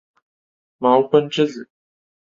茅坤之子。